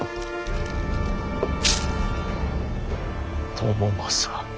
朝雅。